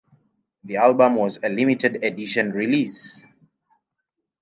The album was a limited edition release.